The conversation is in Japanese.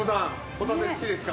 ホタテ好きですか？